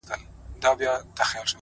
پر دې گناه خو ربه راته ثواب راکه”